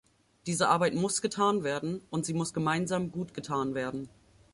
Diese Arbeit muss getan werden, und sie muss gemeinsam gut getan werden.